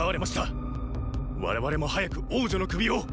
我々も早く王女の首を！